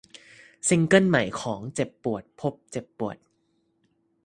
ซิงเกิลใหม่ของ เจ็บปวด พบเจ็บปวด